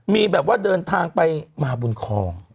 มีแบบว่าเดินทางไปมาบนคลอง